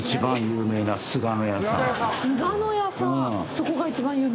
そこが一番有名？